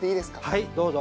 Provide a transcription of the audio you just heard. はいどうぞ。